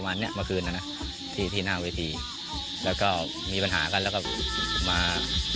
วันนี้เมื่อคืนน่ะนะที่ที่หน้าเวทีแล้วก็มีปัญหากันแล้วก็มา